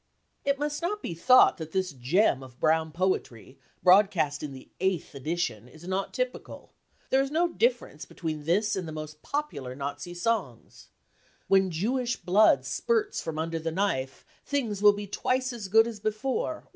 ] It must not be thought that this gem of Brown poetry, broadcast in the eighth edition, is not typical ; there is no difference between this and the most popular Nazi songs : When Jewish blood spurts from under the knife , Things will be twice as good as before